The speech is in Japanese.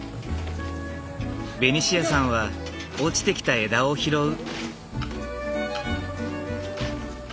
ベニシアさんは落ちてきた枝を拾う。